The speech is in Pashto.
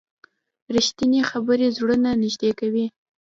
رښتیني خبرې زړونه نږدې کوي.